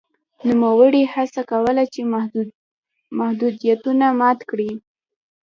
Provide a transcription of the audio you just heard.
نوموړي هڅه کوله چې محدودیتونه مات کړي.